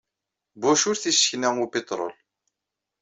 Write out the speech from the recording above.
Bush ur t-yessekna upitṛul.